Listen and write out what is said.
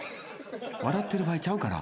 笑ってる場合ちゃうから。